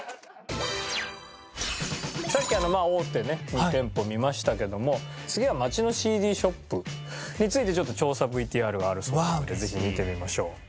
さっきまあ大手の店舗見ましたけども次は街のＣＤショップについてちょっと調査ＶＴＲがあるそうなので見てみましょう。